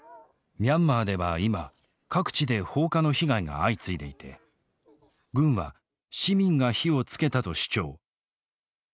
ミャンマーでは今各地で放火の被害が相次いでいて軍は「市民が火をつけた」と主張。